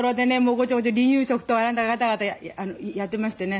ごちゃごちゃ離乳食とか何だかガタガタやってましてね。